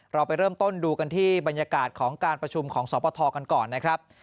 เราไปเริ่มต้นดูกันที่บรรยากาศของการประชุมของสปทกันก่อนนะครับ